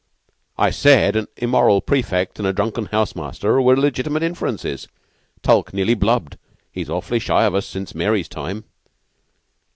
I said an immoral prefect an' a drunken house master were legitimate inferences. Tulke nearly blubbed. He's awfully shy of us since Mary's time."